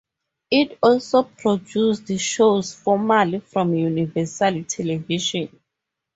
It also produced shows formerly from Universal Television.